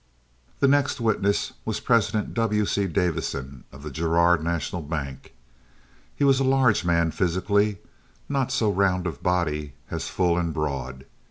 The next witness was President W. C. Davison of the Girard National Bank. He was a large man physically, not so round of body as full and broad.